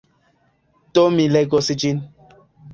Do mi legos ĝin.